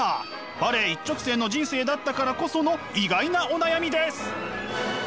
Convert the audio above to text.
バレエ一直線の人生だったからこその意外なお悩みです！